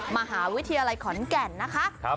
มหาวิทยาลัยขอนแก่นนะคะ